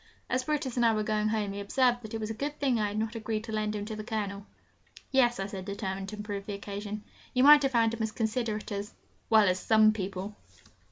As Brutus and I were going home, he observed that it was a good thing I had not agreed to lend him to the Colonel. 'Yes,' I said, determined to improve the occasion, 'you might not have found him as considerate as well, as some people!'